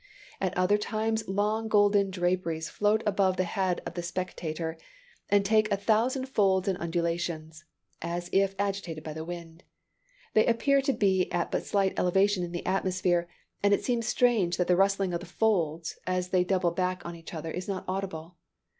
At other times long golden draperies float above the head of the spectator, and take a thousand folds and undulations, as if agitated by the wind. They appear to be at but a slight elevation in the atmosphere, and it seems strange that the rustling of the folds, as they double back on each other, is not audible.